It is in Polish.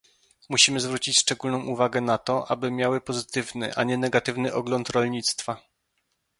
Musimy zwrócić szczególną uwagę na to, aby miały pozytywny a nie negatywny ogląd rolnictwa